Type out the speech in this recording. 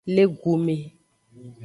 Le gu me.